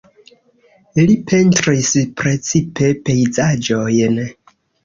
Li pentris precipe pejzaĝojn.